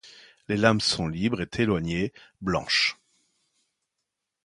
Les lames sont libres et éloignées, blanches.